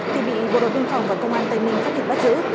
thì bị bộ đội biên phòng và công an tây ninh phát hiện bắt giữ